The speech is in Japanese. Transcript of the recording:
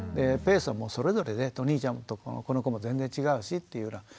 ペースはそれぞれでお兄ちゃんとこの子も全然違うしっていうような。